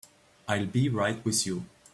I'll be right with you.